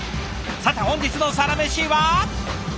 さて本日のサラメシは。